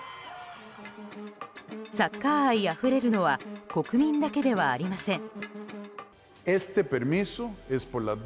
サッカー愛あふれるのは国民だけではありません。